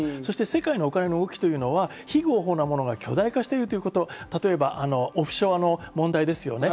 世界のお金の動きというのは非合法なものが巨大化しているということ、例えばオフショアの問題ですね。